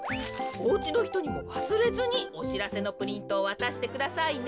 おうちのひとにもわすれずにおしらせのプリントをわたしてくださいね。